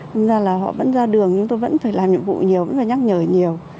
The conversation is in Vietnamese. nên là họ vẫn ra đường nhưng tôi vẫn phải làm nhiệm vụ nhiều vẫn phải nhắc nhở nhiều